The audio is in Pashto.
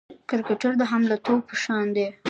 کرکټر د حامله توب په شان دی.